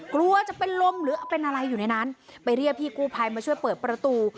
กลัวจะเป็นลมหรือเอาเป็นอะไรอยู่ในนั้นไปเรียกพี่กู้ภัยมาช่วยเปิดประตู